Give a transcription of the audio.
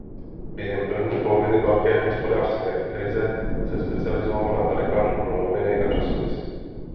Během první poloviny velké hospodářské krize se specializoval na reklamu pro noviny a časopisy.